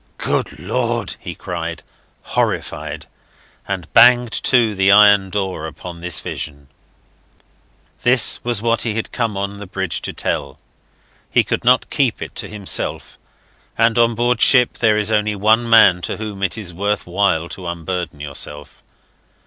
"Good Lord!" he cried, horrified, and banged to the iron door upon this vision. This was what he had come on the bridge to tell. He could not keep it to himself; and on board ship there is only one man to whom it is worth while to unburden yourself.